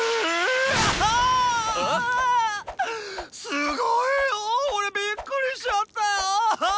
すごいヨォ！俺びっくりしちゃったヨ。